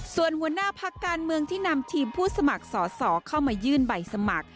ส่วนหัวหน้าพักการเมืองที่นำทีมผู้สมัครสอสอเข้ามายื่นใบสมัคร